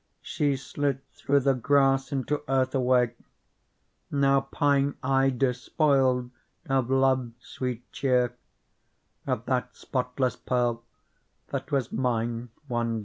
She slid through the grass into earth away : Now pine I despoiled of love's sweet cheer — Of that spotless Pearl that was mine one day.